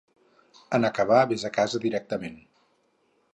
En acabar, vés a casa directament.